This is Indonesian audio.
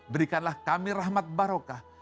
berikanlah kami rahmat barokah